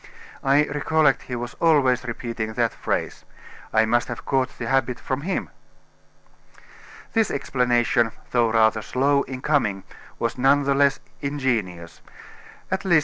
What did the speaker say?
I recollect he was always repeating that phrase. I must have caught the habit from him." This explanation, though rather slow in coming, was none the less ingenious. At least, M.